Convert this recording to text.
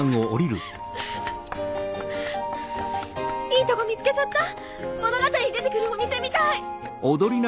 いいとこ見つけちゃった物語に出て来るお店みたい！